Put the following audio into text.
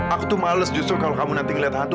aku tuh males justru kalau kamu nanti ngeliat hantu